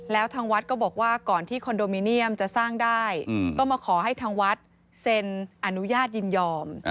แล้วทางวัดก็บอกว่าก่อนที่คอนโดมิเนียมจะสร้างได้ก็มาขอให้ทางวัดเซ็นอนุญาตยินยอม